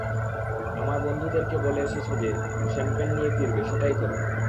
আমার বন্ধুদেরকে বলে এসেছ যে, শ্যাম্পেন নিয়ে ফিরবে, সেটাই কর।